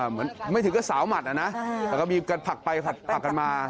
เหมือนไม่ถึงกับสาวหมัดนะแต่มีผักไปผักกันมา